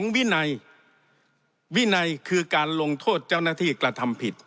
วินัยวินัยคือการลงโทษเจ้าหน้าที่กระทำผิด